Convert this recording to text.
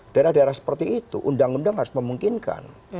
daerah daerah seperti itu undang undang harus memungkinkan